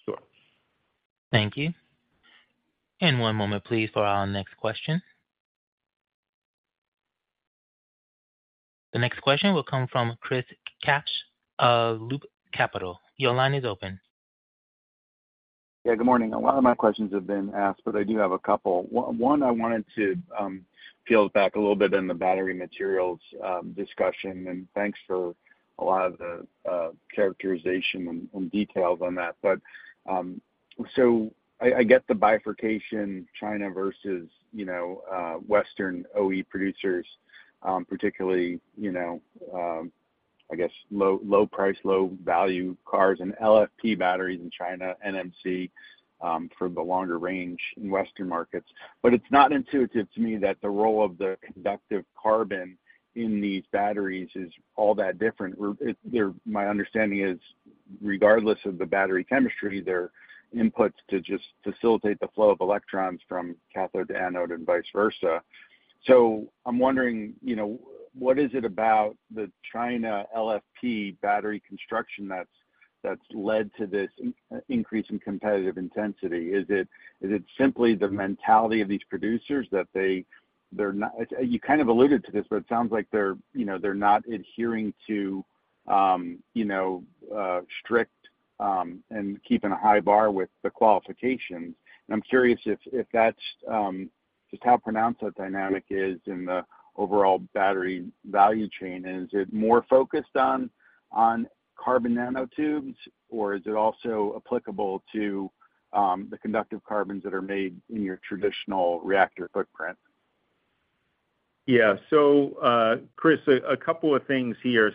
Sure. Thank you. One moment, please, for our next question. The next question will come from Chris Kapsch of Loop Capital. Your line is open. Yeah, good morning. A lot of my questions have been asked, but I do have a couple. One, I wanted to peel back a little bit in the battery materials discussion, and thanks for a lot of the characterization and details on that. I get the bifurcation China versus, you know, Western OE producers, particularly, you know, I guess, low, low price, low value cars and LFP batteries in China, NMC for the longer range in Western markets. It's not intuitive to me that the role of the conductive carbon in these batteries is all that different. They're. My understanding is, regardless of the battery chemistry, they're inputs to just facilitate the flow of electrons from cathode to anode and vice versa. I'm wondering, you know, what is it about the China LFP battery construction that's, that's led to this increase in competitive intensity? Is it, is it simply the mentality of these producers that they, kind of alluded to this, but it sounds like they're, you know, they're not adhering to, you know, strict, and keeping a high bar with the qualifications. I'm curious if, if that's, just how pronounced that dynamic is in the overall battery value chain, and is it more focused on, on carbon nanotubes, or is it also applicable to the conductive carbons that are made in your traditional reactor footprint? Chris, a, a couple of things here.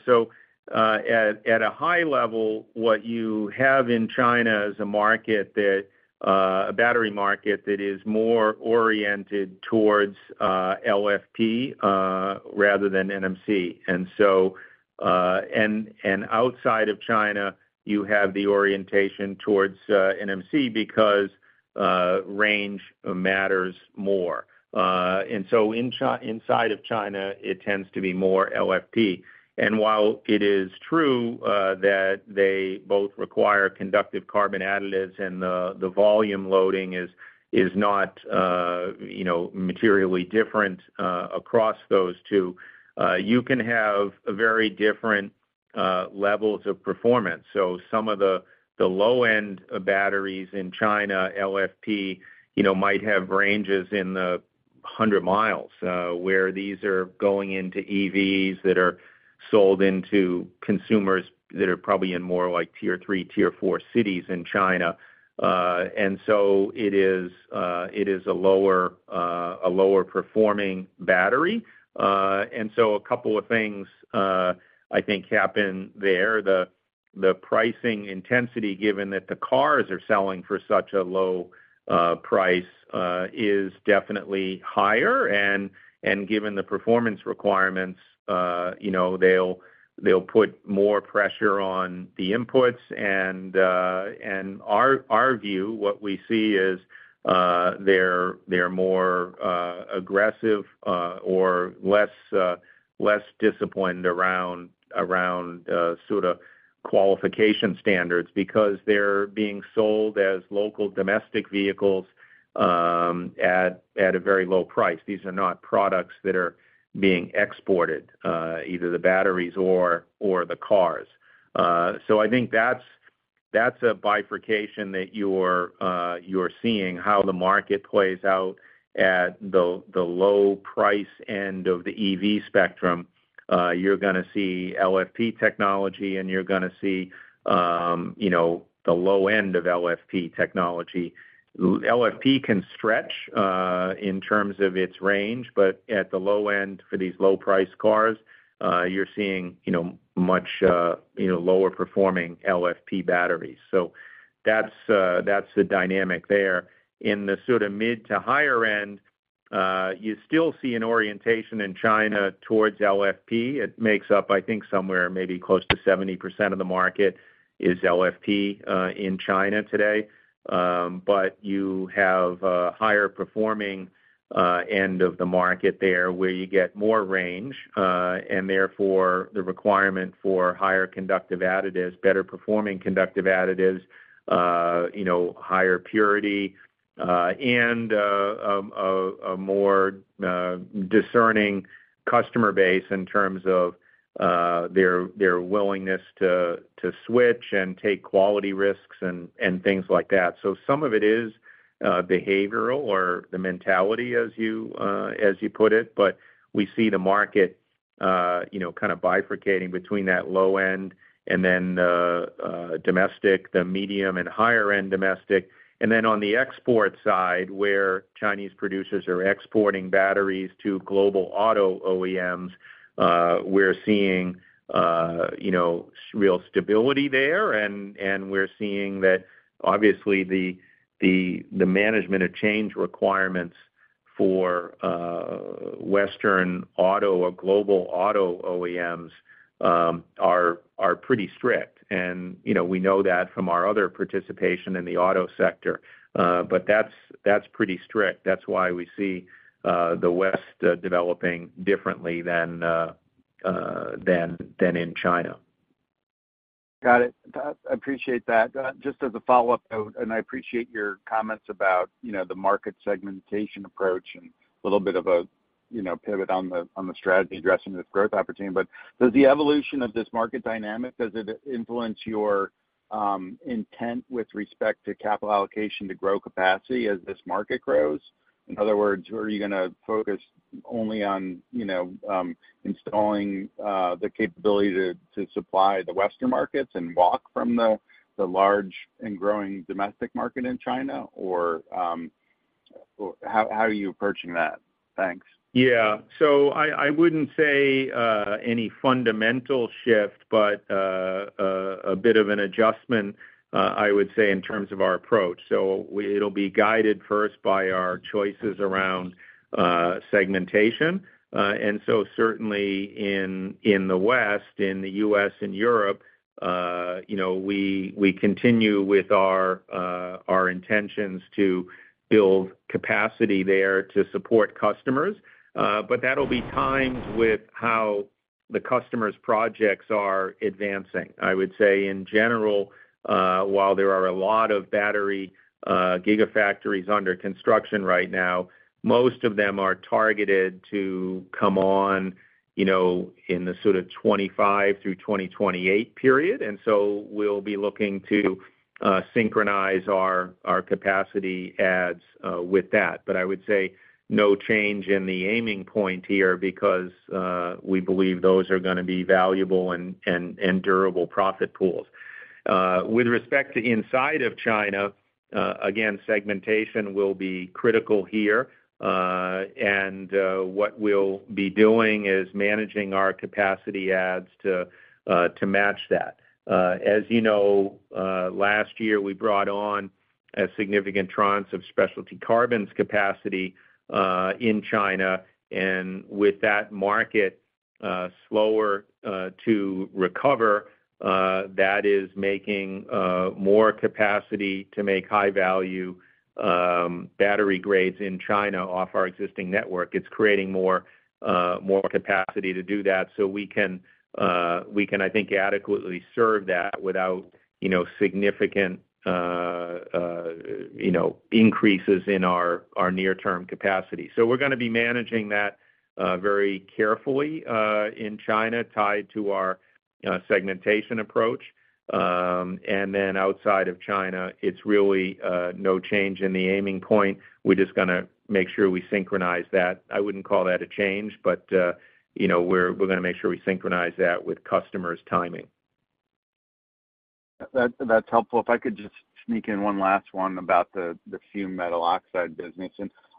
At, at a high level, what you have in China is a market that, a battery market that is more oriented towards LFP, rather than NMC. And outside of China, you have the orientation towards NMC because range matters more. Inside of China, it tends to be more LFP. While it is true that they both require conductive carbon additives and the, the volume loading is, is not, you know, materially different across those two, you can have a very different levels of performance. Some of the, the low-end batteries in China, LFP, you know, might have ranges in the 100 miles, where these are going into EVs that are sold into consumers that are probably in more like tier 3, tier 4 cities in China. It is, it is a lower, a lower performing battery. A couple of things, I think happen there. The, the pricing intensity, given that the cars are selling for such a low price, is definitely higher. Given the performance requirements, you know, they'll, they'll put more pressure on the inputs. Our view, what we see is, they're, they're more aggressive or less less disciplined around around sort of qualification standards because they're being sold as local domestic vehicles at a very low price. These are not products that are being exported, either the batteries or the cars. I think that's, that's a bifurcation that you're, you're seeing how the market plays out at the, the low price end of the EV spectrum. You're gonna see LFP technology, and you're gonna see, you know, the low end of LFP technology. LFP can stretch in terms of its range, but at the low end, for these low-price cars, you're seeing, you know, much, you know, lower performing LFP batteries. That's, that's the dynamic there. In the sort of mid to higher end, you still see an orientation in China towards LFP. It makes up, I think, somewhere maybe close to 70% of the market is LFP, in China today. You have a higher performing end of the market there, where you get more range, and therefore, the requirement for higher conductive additives, better performing conductive additives, you know, higher purity, and a more discerning customer base in terms of their willingness to switch and take quality risks and things like that. Some of it is behavioral or the mentality as you as you put it, but we see the market, you know, kind of bifurcating between that low end and then the domestic, the medium and higher end domestic. Then on the export side, where Chinese producers are exporting batteries to global auto OEMs, we're seeing, you know, real stability there. We're seeing that obviously the, the, the management of change requirements for Western auto or global auto OEMs, are, are pretty strict. You know, we know that from our other participation in the auto sector, but that's, that's pretty strict. That's why we see, the West, developing differently than in China. Got it. Appreciate that. Just as a follow-up, though, I appreciate your comments about, you know, the market segmentation approach and a little bit of a, you know, pivot on the, on the strategy addressing this growth opportunity. Does the evolution of this market dynamic, does it influence your intent with respect to capital allocation to grow capacity as this market grows? In other words, are you gonna focus only on, you know, installing the capability to supply the Western markets and walk from the large and growing domestic market in China? How, how are you approaching that? Thanks. Yeah. I, I wouldn't say any fundamental shift, but a bit of an adjustment, I would say, in terms of our approach. It'll be guided first by our choices around segmentation. Certainly in, in the West, in the US and Europe, you know, we, we continue with our intentions to build capacity there to support customers. That'll be timed with how the customer's projects are advancing. I would say in general, while there are a lot of battery gigafactories under construction right now, most of them are targeted to come on, you know, in the sort of 25 through 2028 period. We'll be looking to synchronize our capacity adds with that. I would say no change in the aiming point here, because we believe those are gonna be valuable and, and, and durable profit pools. With respect to inside of China, again, segmentation will be critical here. And what we'll be doing is managing our capacity adds to to match that. As you know, last year, we brought on a significant tranche of specialty carbons capacity in China. With that market slower to recover, that is making more capacity to make high-value battery grades in China off our existing network. It's creating more more capacity to do that. We can, we can, I think, adequately serve that without, you know, significant, you know, increases in our, our near-term capacity. We're gonna be managing that. very carefully, in China, tied to our segmentation approach. Then outside of China, it's really no change in the aiming point. We're just gonna make sure we synchronize that. I wouldn't call that a change, but, you know, we're, we're gonna make sure we synchronize that with customers' timing. That's, that's helpful. If I could just sneak in one last one about the, the Fumed metal oxide business.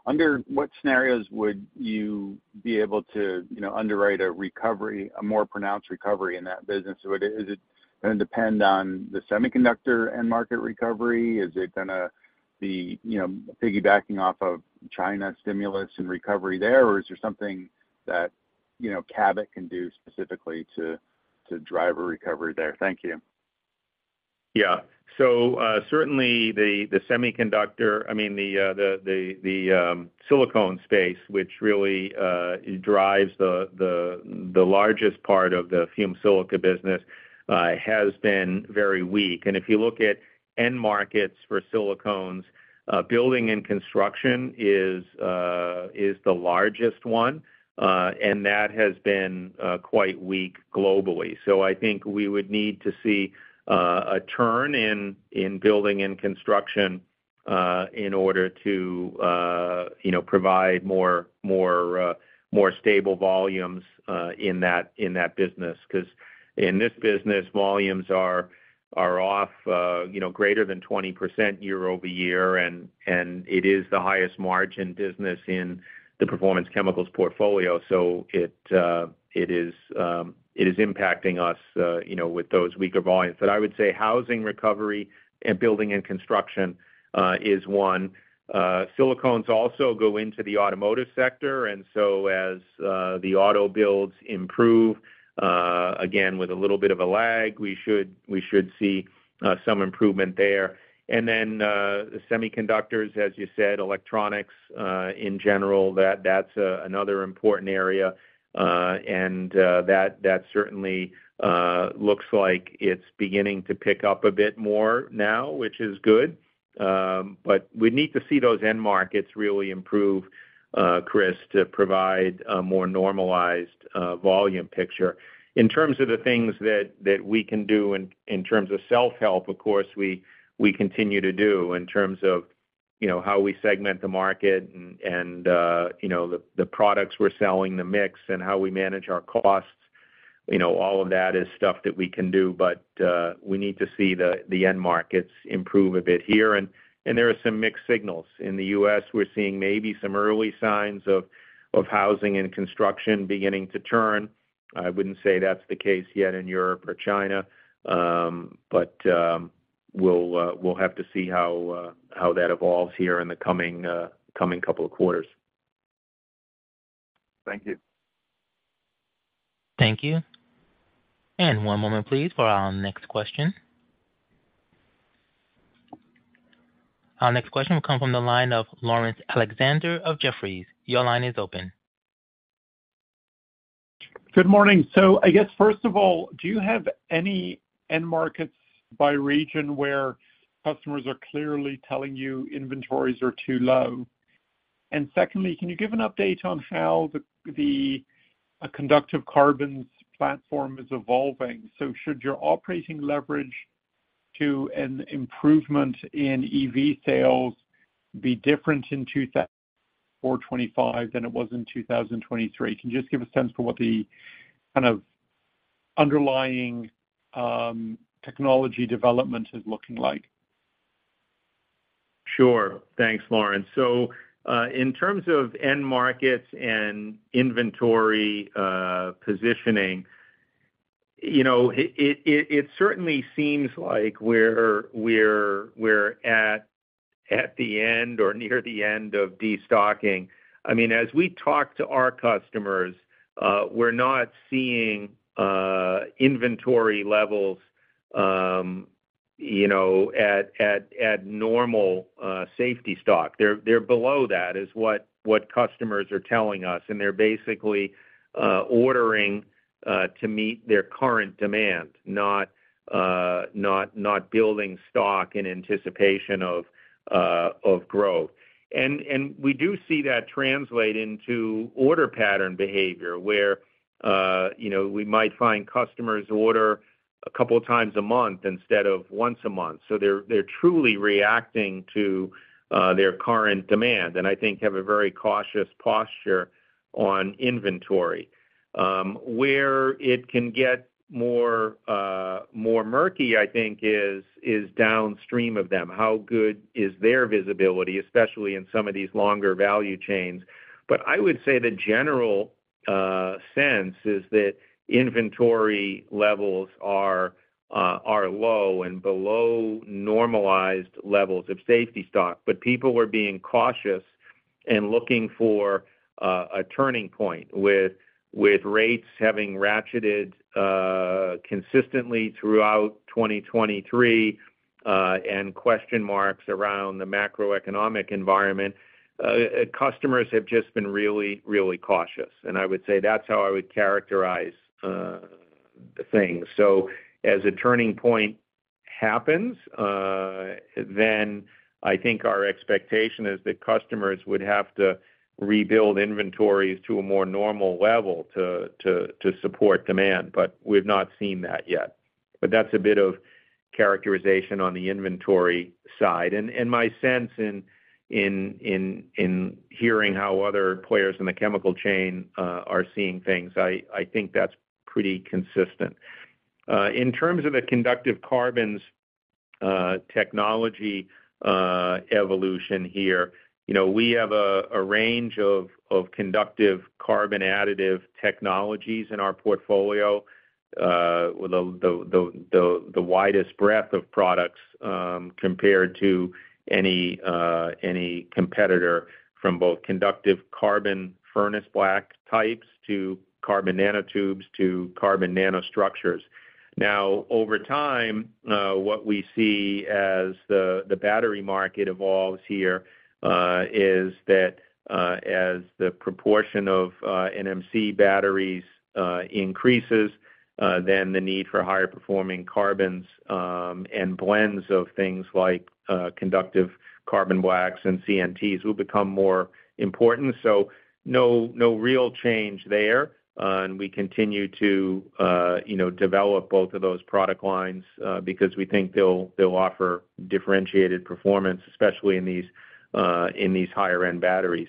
Under what scenarios would you be able to, you know, underwrite a recovery, a more pronounced recovery in that business? Is it gonna depend on the semiconductor end market recovery? Is it gonna be, you know, piggybacking off of China stimulus and recovery there? Is there something that, you know, Cabot can do specifically to, to drive a recovery there? Thank you. Yeah. Certainly the semiconductor I mean, the silicone space, which really drives the, the, the largest part of the Fumed silica business, has been very weak. If you look at end markets for silicones, building and construction is, is the largest one, and that has been quite weak globally. I think we would need to see a turn in, in building and construction in order to, you know, provide more stable volumes in that, in that business. 'Cause in this business, volumes are, are off, you know, greater than 20% year-over-year, and, and it is the highest margin business in the performance chemicals portfolio. It is impacting us, you know, with those weaker volumes. I would say housing recovery and building and construction, is one. silicones also go into the automotive sector, and so as, the auto builds improve, again, with a little bit of a lag, we should, we should see, some improvement there. The semiconductors, as you said, electronics, in general, that's, another important area. That certainly looks like it's beginning to pick up a bit more now, which is good. We'd need to see those end markets really improve, Chris, to provide a more normalized, volume picture. In terms of the things that, that we can do in, in terms of self-help, of course, we, we continue to do in terms of, you know, how we segment the market and, you know, the, the products we're selling, the mix, and how we manage our costs. You know, all of that is stuff that we can do, but we need to see the, the end markets improve a bit here. There are some mixed signals. In the U.S., we're seeing maybe some early signs of, of housing and construction beginning to turn. I wouldn't say that's the case yet in Europe or China, but we'll have to see how that evolves here in the coming couple of quarters. Thank you. Thank you. One moment, please, for our next question. Our next question will come from the line of Laurence Alexander of Jefferies. Your line is open. Good morning. I guess, first of all, do you have any end markets by region where customers are clearly telling you inventories are too low? Secondly, can you give an update on how the conductive carbons platform is evolving? Should your operating leverage to an improvement in EV sales be different in 2024-2025 than it was in 2023? Can you just give a sense for what the kind of underlying technology development is looking like? Sure. Thanks, Laurence. In terms of end markets and inventory positioning, you know, it certainly seems like we're at, at the end or near the end of destocking. I mean, as we talk to our customers, we're not seeing inventory levels, you know, at normal safety stock. They're, they're below that, is what, what customers are telling us, and they're basically ordering to meet their current demand, not building stock in anticipation of growth. We do see that translate into order pattern behavior, where, you know, we might find customers order a couple of times a month instead of once a month. They're, truly reacting to their current demand, and I think have a very cautious posture on inventory. Where it can get more, more murky, I think, is, is downstream of them. How good is their visibility, especially in some of these longer value chains? I would say the general sense is that inventory levels are low and below normalized levels of safety stock. People are being cautious and looking for a turning point with, with rates having ratcheted consistently throughout 2023, and question marks around the macroeconomic environment, customers have just been really, really cautious. I would say that's how I would characterize things. As a turning point happens, then I think our expectation is that customers would have to rebuild inventories to a more normal level to, to, to support demand, but we've not seen that yet. That's a bit of characterization on the inventory side. My sense in hearing how other players in the chemical chain are seeing things, I think that's pretty consistent. In terms of the conductive carbons technology evolution here, you know, we have a range of conductive carbon additive technologies in our portfolio, the widest breadth of products compared to any competitor from both conductive carbon furnace black types to carbon nanotubes to carbon nanostructures. Over time, what we see as the battery market evolves here is that as the proportion of NMC batteries increases, then the need for higher performing carbons and blends of things like conductive carbon blacks and CNTs will become more important. No, no real change there. We continue to, you know, develop both of those product lines, because we think they'll, they'll offer differentiated performance, especially in these, in these higher-end batteries.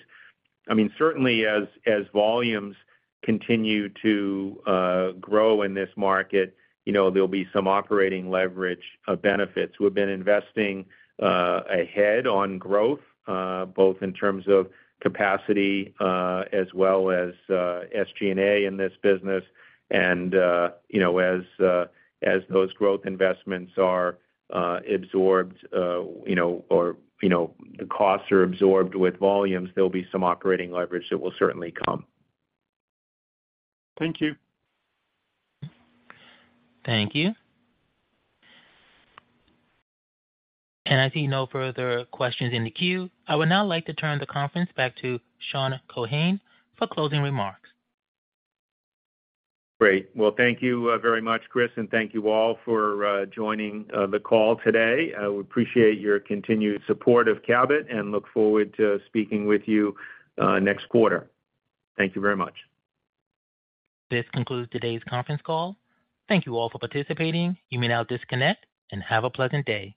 I mean, certainly as, as volumes continue to grow in this market, you know, there'll be some operating leverage benefits. We've been investing ahead on growth, both in terms of capacity, as well as SG&A in this business. You know, as, as those growth investments are absorbed, you know, or, you know, the costs are absorbed with volumes, there'll be some operating leverage that will certainly come. Thank you. Thank you. I see no further questions in the queue. I would now like to turn the conference back to Sean Keohane for closing remarks. Great. Well, thank you very much, Chris. Thank you all for joining the call today. We appreciate your continued support of Cabot and look forward to speaking with you next quarter. Thank you very much. This concludes today's conference call. Thank you all for participating. You may now disconnect and have a pleasant day.